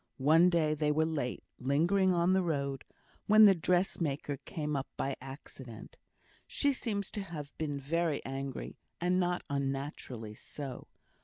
One day they were late, lingering on the road, when the dressmaker came up by accident. She seems to have been very angry, and not unnaturally so.